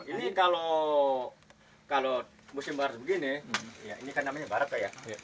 ini kalau musim baras begini ini kan namanya baras ya